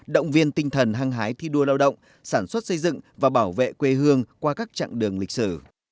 động viên tinh thần hăng hái thi đua lao động sản xuất xây dựng và bảo vệ quê hương qua các chặng đường lịch sử